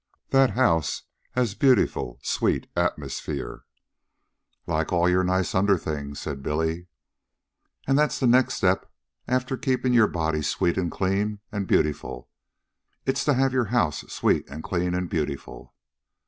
That house has beautiful, sweet atmosphere " "Like all your nice underthings," said Billy. "And that's the next step after keeping your body sweet and clean and beautiful. It's to have your house sweet and clean and beautiful."